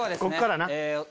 こっからな。